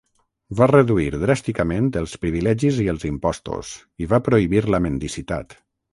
Va reduir dràsticament els privilegis i els impostos i va prohibir la mendicitat.